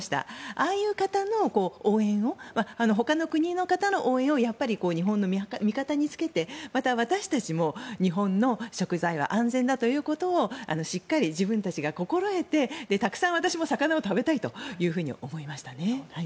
ああいう方の応援をほかの国の方の応援を日本の味方につけてまた、私たちも日本の食材は安全だということをしっかり自分たちが心得てたくさん私も魚を食べたいと思いますね。